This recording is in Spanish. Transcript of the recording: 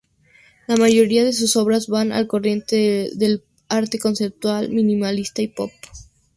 La mayoría de sus obras van al corriente del arte conceptual, minimalista y pop.